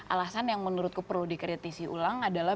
alasan yang menurutku perlu dikritisi ulang adalah